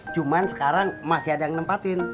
cuman sekarang masih ada yang nempatin